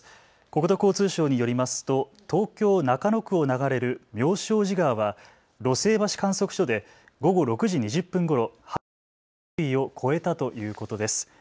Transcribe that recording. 国土交通省によりますと東京中野区を流れる妙正寺川は鷺盛橋観測所で午後６時２０分ごろ、氾濫危険水位を超えたということです。